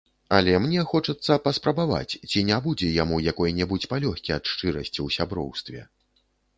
Але мне хочацца паспрабаваць, ці не будзе яму якой-небудзь палёгкі ад шчырасці ў сяброўстве.